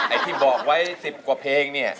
ไอ้ที่บอกไว้๑๐กว่าเพลงเนี่ย